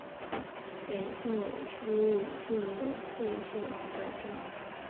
北宋熙宁四年废县改镇。